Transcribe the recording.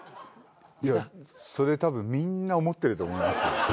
いやそれたぶんみんな思ってると思いますよ。